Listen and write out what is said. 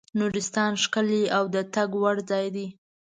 نورستان ښکلی او د تګ وړ ځای دی.